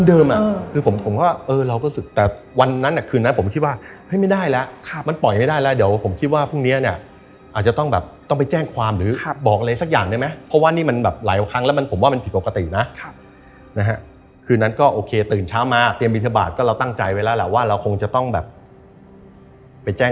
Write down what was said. เดิมอ่ะคือผมผมก็เออเราก็ศึกแต่วันนั้นคืนนั้นผมคิดว่าเฮ้ยไม่ได้แล้วมันปล่อยไม่ได้แล้วเดี๋ยวผมคิดว่าพรุ่งนี้เนี่ยอาจจะต้องแบบต้องไปแจ้งความหรือบอกอะไรสักอย่างได้ไหมเพราะว่านี่มันแบบหลายครั้งแล้วมันผมว่ามันผิดปกตินะนะฮะคืนนั้นก็โอเคตื่นเช้ามาเตรียมบินทบาทก็เราตั้งใจไว้แล้วแหละว่าเราคงจะต้องแบบไปแจ้ง